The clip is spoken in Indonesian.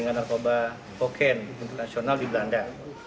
dari narkoba hoken internasional di belanda